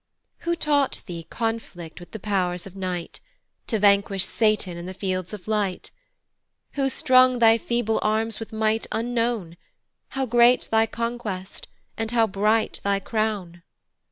WHO taught thee conflict with the pow'rs of night, To vanquish satan in the fields of light? Who strung thy feeble arms with might unknown, How great thy conquest, and how bright thy crown!